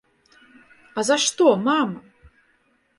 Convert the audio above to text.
А за што, мама?